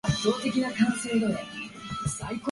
今日から部長です。